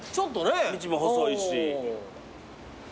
道も細いし。